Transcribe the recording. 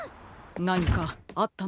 なにかあったのですか？